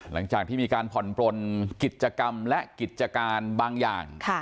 หลังจากที่มีการผ่อนปลนกิจกรรมและกิจการบางอย่าง